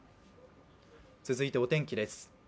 続いてお天気です。